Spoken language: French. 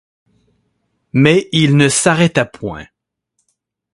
Mais il ne s'arrêta point.